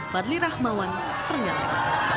badli rahmawan terenggalek